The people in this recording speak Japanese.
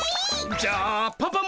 じゃあパパも！